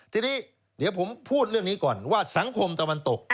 ทีนี้เดี๋ยวผมพูดเรื่องนี้ก่อนว่าสังคมตะวันตก